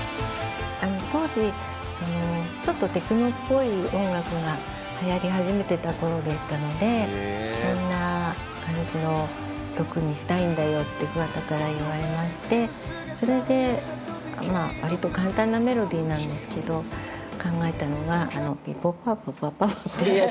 当時ちょっとテクノっぽい音楽がはやり始めてた頃でしたのでこんな感じの曲にしたいんだよって桑田から言われましてそれでまあ割と簡単なメロディーなんですけど考えたのがピポパポパポってやつですね。